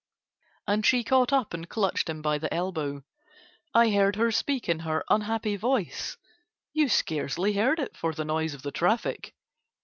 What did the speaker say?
And she caught up and clutched him by the elbow. I heard her speak in her unhappy voice, you scarcely heard it for the noise of the traffic.